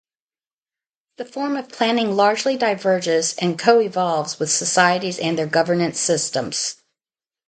The form of planning largely diverges and co-evolves with societies and their governance systems.